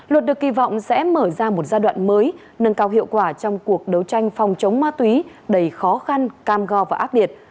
luật được kỳ vọng sẽ mở ra một giai đoạn mới nâng cao hiệu quả trong cuộc đấu tranh phòng chống ma túy đầy khó khăn cam go và ác liệt